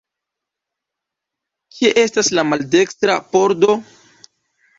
Kie estas la maldekstra pordo?